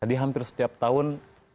jadi hampir setiap tahun